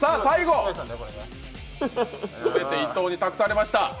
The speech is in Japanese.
最後、全て伊藤に託されました。